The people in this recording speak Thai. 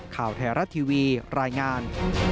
ข่าวไทยรัฐทีวีรายงาน